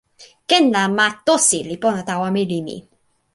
ken la ma Tosi li pona tawa meli mi.